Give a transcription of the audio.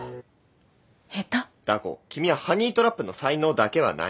ダー子君はハニートラップの才能だけはない。